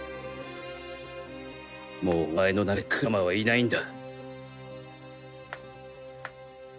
もうお前の中に九喇嘛はいないんだ。